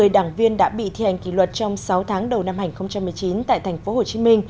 một trăm một mươi đảng viên đã bị thi hành kỷ luật trong sáu tháng đầu năm hai nghìn một mươi chín tại tp hcm